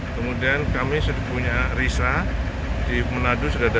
kemudian kami sudah punya risa di manado sudah ada